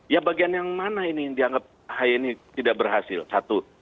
ya bagian yang mana ini yang dianggap ahy ini tidak berhasil satu